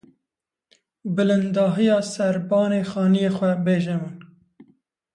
bilindahiya Serbanê xanîyê xwe bêje min